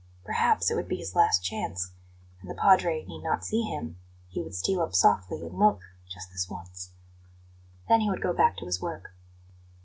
Perhaps it would be his last chance and the Padre need not see him; he would steal up softly and look just this once. Then he would go back to his work.